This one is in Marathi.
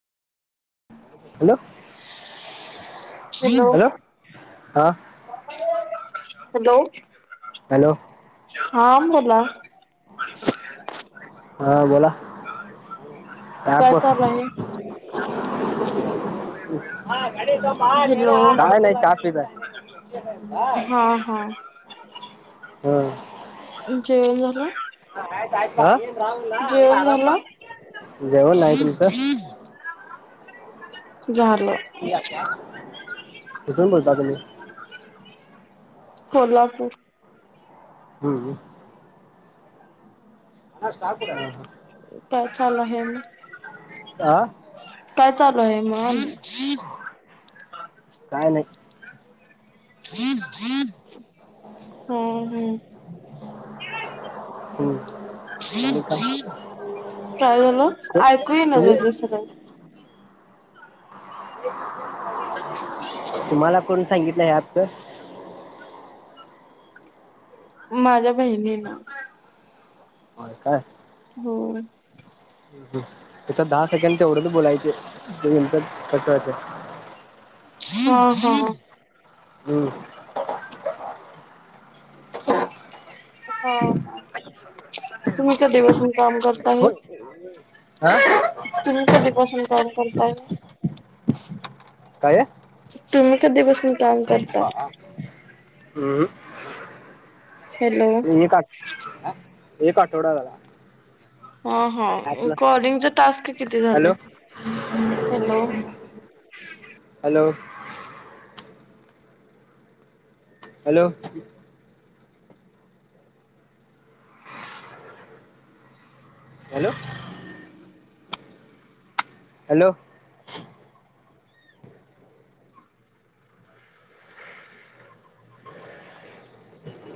हॅलो! हॅलो! हा हॅलो! हॅलो! हा बोला. हा बोला, काय अँपवर चालू आहे? हॅलो काय नाही चहा पित आहे. हा हा हम्म जेवला ना? आ? जेवण झालं? जेवण नाही. तुमचं? झालं लका कुठून बोलता तुम्ही? कोल्हापूर. हम्म, हम्म हा हा काय चालू आहे आणि? काय चालू आहे मग? काय नाही [inaudible] हम्म तुम्ही तुम्ही काय हम्म, काय झाल? आयकू येईना तुम्ही झालंय सरळ. तुम्हाला कोणी सांगितलं ह्या ॲपचं? माझ्या बहिणीनं. होय काय. होय हम्म, त्याच्यात दहा सेकंड तेवढंच बोलायचंय, आणि नंतर कट करायचं. हा हा हम्म. [unintelligible] हां. फोन आलय? [inaudible] फोन आ.. [inaudible] काय [inaudible] काय? तुम्ही कधीपासून काम करता? [inaudible] ऊंमम हॅलो. एक आठ एक आठवडा झाला. हा हा ॲपला कॉलिंगच टास्क किती हॅलो झाले? Hello, [inaudible] hello! [inaudible] Hello [inaudible] hello [inaudible]